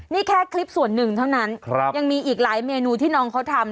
นี่แค่คลิปส่วนหนึ่งเท่านั้นยังมีอีกหลายเมนูที่น้องเขาทำ